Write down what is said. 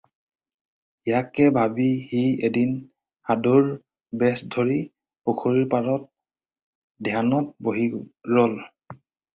ইয়াকে ভাবি সি এদিন সাধুৰ বেশ ধৰি পুখুৰীৰ পাৰত ধ্যানত বহি ৰ'ল।